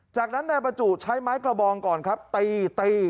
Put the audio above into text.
จากนั้นนายบรรจุใช้ไม้กระบองก่อนครับตีตี